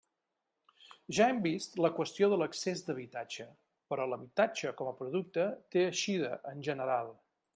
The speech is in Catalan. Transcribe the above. Ja hem vist la qüestió de l'excés d'habitatge, però l'habitatge com a producte té eixida, en general.